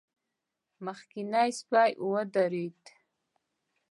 مخکينی سپی ودرېد.